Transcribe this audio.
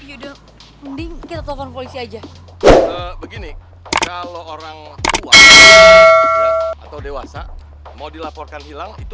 yuda mending kita telepon polisi aja begini kalau orang tua atau dewasa mau dilaporkan hilang itu